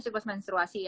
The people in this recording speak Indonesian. menyesal menstruasi ya